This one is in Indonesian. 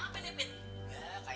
maksudnya apa deh fit